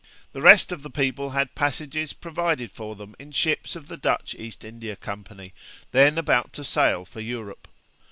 The rest of the people had passages provided for them in ships of the Dutch East India Company, then about to sail for Europe.